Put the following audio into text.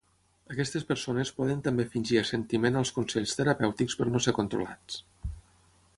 Aquestes persones poden també fingir assentiment als consells terapèutics per no ser controlats.